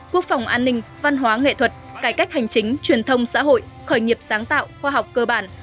quốc phòng an ninh văn hóa nghệ thuật cải cách hành chính truyền thông xã hội khởi nghiệp sáng tạo khoa học cơ bản